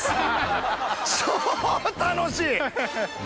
超楽しい！